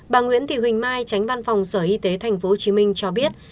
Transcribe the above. bà nguyễn thị huỳnh mai tránh văn phòng sở y tế tp hcm cho biết